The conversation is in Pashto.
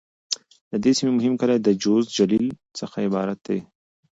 د دې سیمې مهم کلي د: جوز، جلیل..څخه عبارت دي.